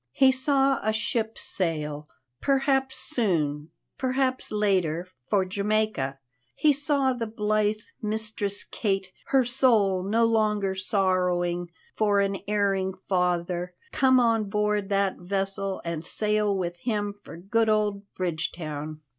He saw a ship sail, perhaps soon, perhaps later, for Jamaica; he saw the blithe Mistress Kate, her soul no longer sorrowing for an erring father, come on board that vessel and sail with him for good old Bridgetown.